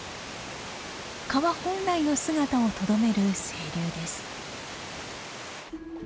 川本来の姿をとどめる清流です。